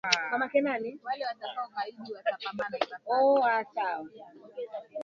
Kwa mpandaji ambae atapenda kuupanda mlima Meru